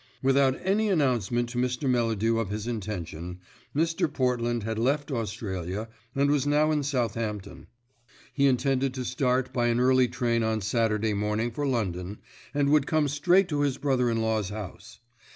Without any announcement to Mr. Melladew of his intention, Mr. Portland had left Australia, and was now in Southampton. He intended to start by an early train on Saturday morning for London, and would come straight to his brother in law's house.